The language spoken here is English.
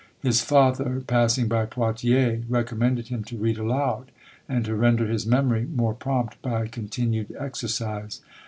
His father, passing by Poitiers, recommended him to read aloud, and to render his memory more prompt by continued exercise.